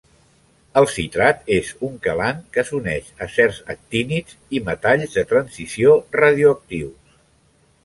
El citrat és un quelant que s'uneix a certs actínids i metalls de transició radioactius.